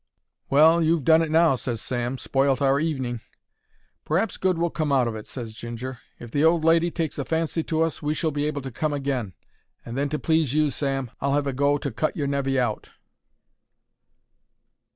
"Well, you've done it now," ses Sam. "Spoilt our evening." "P'r'aps good will come out of it," ses Ginger. "If the old lady takes a fancy to us we shall be able to come agin, and then to please you, Sam, I'll have a go to cut your nevy out."